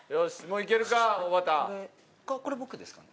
もういけるか？